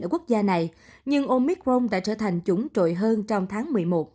ở quốc gia này nhưng omicron đã trở thành chủng trội hơn trong tháng một mươi một